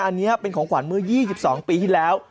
อันนี้เป็นของขวัญเมื่อ๒๒ปีที่แล้ว